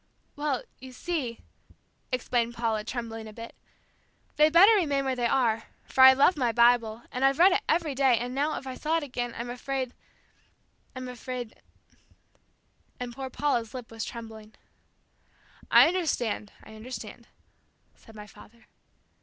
"Well, you see," explained Paula, trembling a bit, "they'd better remain where they are, for I love my Bible, and I've read it every day, and now if I saw it again, I'm afraid I'm afraid " and poor Paula's lip was trembling. "I understand, I understand," said my father.